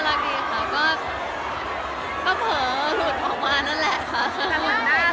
อ้าว